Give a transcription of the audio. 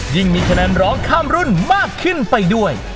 มีคะแนนร้องข้ามรุ่นมากขึ้นไปด้วย